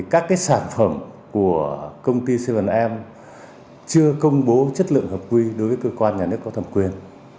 các sản phẩm của công ty bảy am chưa công bố chất lượng hợp quy đối với cơ quan nhà nước có thẩm quyền